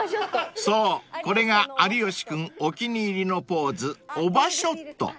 ［そうこれが有吉君お気に入りのポーズオバショット］